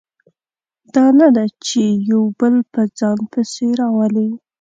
دا نه ده چې یو بل په ځان پسې راولي.